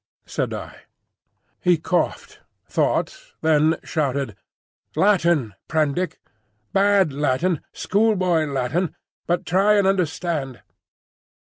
said I. He coughed, thought, then shouted: "Latin, Prendick! bad Latin, schoolboy Latin; but try and understand.